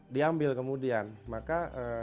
diambil kemudian maka